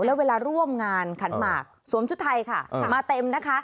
แล้วเวลาร่วมงานขันหมากสวมชุดไทยค่ะมาเต็มนะคะ